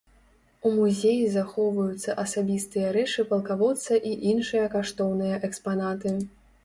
У музеі захоўваюцца асабістыя рэчы палкаводца і іншыя каштоўныя экспанаты.